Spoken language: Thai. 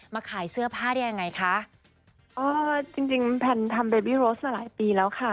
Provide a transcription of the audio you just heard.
เออจึงทำเบบลูรสมาหลายปีแล้วค่ะ